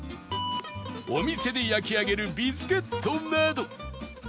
お店で焼き上げるビスケットなど